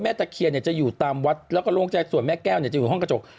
ตะเคียนจะอยู่ตามวัดแล้วก็โล่งใจส่วนแม่แก้วจะอยู่ห้องกระจก